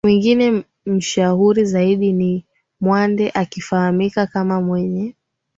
Mwingine mashuhuri zaidi ni Mwande akifahamika kama mwenye